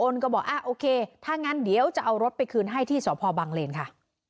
ก็บอกโอเคถ้างั้นเดี๋ยวจะเอารถไปคืนให้ที่สพบังเลนค่ะ